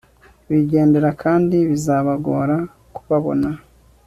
bigendera kandi bizabagora kubabona